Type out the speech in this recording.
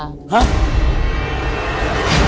ฮะ